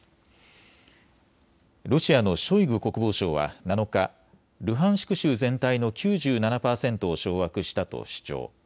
ロシアのショイグ国防相は７日、ルハンシク州全体の９７％を掌握したと主張。